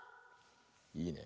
いいね。